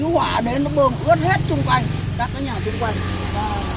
cái hỏa đấy nó bơm ướt hết xung quanh các cái nhà xung quanh